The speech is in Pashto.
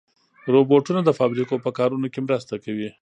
روبوټونه د فابریکو په کارونو کې مرسته کوي.